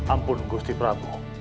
ampun gusti prabu